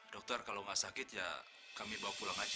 dokter kalau nggak sakit ya kami bawa pulang aja